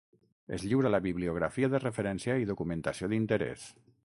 Es lliura la bibliografia de referència i documentació d'interès.